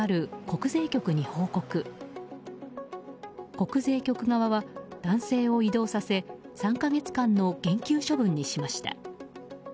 国税局側は男性を異動させ３か月間の減給処分にしました。